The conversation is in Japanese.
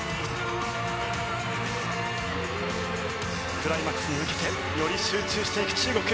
クライマックスに向けてより集中していく中国。